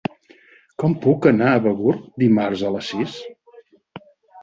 Com puc anar a Begur dimarts a les sis?